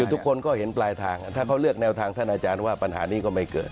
ทุกคนก็เห็นปลายทางถ้าเขาเลือกแนวทางท่านอาจารย์ว่าปัญหานี้ก็ไม่เกิด